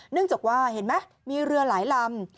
เนื่องจากว่าเห็นไหมมีเรือหลายลำ